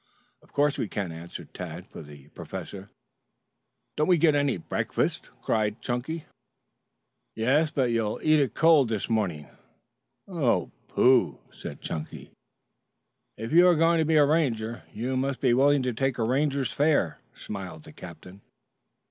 "Of course we can," answered Tad for the professor. "Don't we get any breakfast?" cried Chunky. "Yes, but you'll eat it cold this morning." "Oh, pooh!" "If you are going to be a Ranger you must be willing to take a Ranger's fare," smiled the captain.